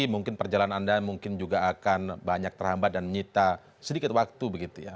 mungkin perjalanan anda mungkin juga akan banyak terhambat dan menyita sedikit waktu begitu ya